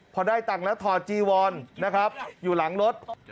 พอได้ตังค์แล้วถอดจีวอนนะครับอยู่หลังรถ